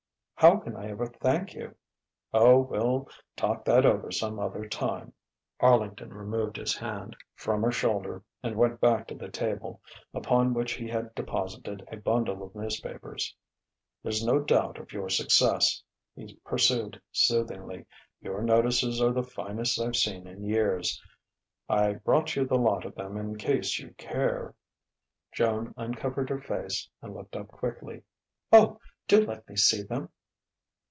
"How can I ever thank you?" "Oh, we'll talk that over some other time." Arlington removed his hand from her shoulder and went back to the table, upon which he had deposited a bundle of newspapers. "There's no doubt of your success," he pursued soothingly. "Your notices are the finest I've seen in years. I brought you the lot of them in case you care " Joan uncovered her face and looked up quickly. "Oh, do let me see them!"